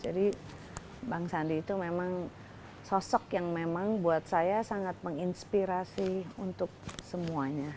jadi bang sandi itu memang sosok yang memang buat saya sangat menginspirasi untuk semuanya